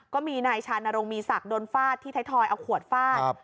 ก็มีนายชานรงมีศักดิ์โดนฟาดที่ไทยทอยเอาขวดฟาด